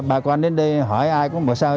bà con đến đây hỏi ai cũng bỏ xong